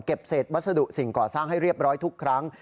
เศษวัสดุสิ่งก่อสร้างให้เรียบร้อยทุกครั้ง